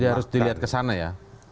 jadi harus dilihat ke sana ya